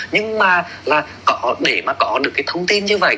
nhưng mà là để mà có được cái thông tin như vậy